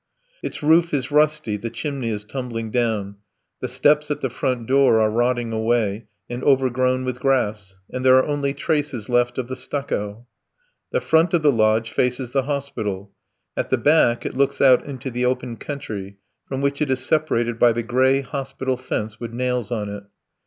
Its roof is rusty, the chimney is tumbling down, the steps at the front door are rotting away and overgrown with grass, and there are only traces left of the stucco. The front of the lodge faces the hospital; at the back it looks out into the open country, from which it is separated by the grey hospital fence with nails on it.